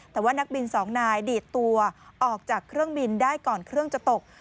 แต่ว่านักบินสองนายดีดตัวออกจากเครื่องบินได้ก่อนเครื่องจะตก